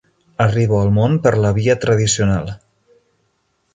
Arribo al món per la via tradicional.